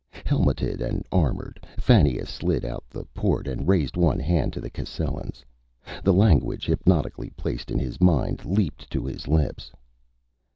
Helmeted and armored, Fannia slid out the port and raised one hand to the Cascellans. The language, hypnotically placed in his mind, leaped to his lips.